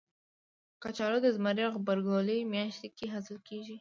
کچالو د زمري او غبرګولي میاشت کې حاصل کېږي